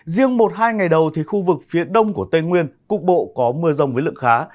riêng một hai ngày đầu thì khu vực phía đông của tây nguyên cục bộ có mưa rông với lượng khá